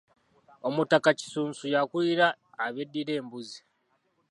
Omutaka Kisunsu y’akulira abeddira Embuzi.